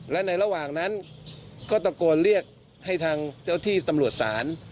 และในระหว่างนั้นก็ตะโกนเรียกให้ทางเจ้าที่ตำรวจศาล